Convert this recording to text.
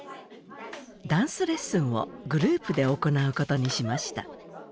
ダンスレッスンをグループで行うことにしました。